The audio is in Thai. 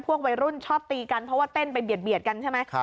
วัยรุ่นชอบตีกันเพราะว่าเต้นไปเบียดกันใช่ไหม